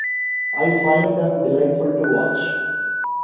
I find them delightful to watch.